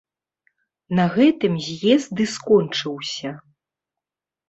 На гэтым з'езд і скончыўся.